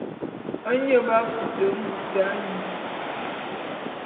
Nye b'afute mbut anyu.